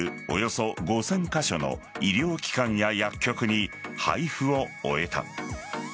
およそ５０００カ所の医療機関や薬局に配布を終えた。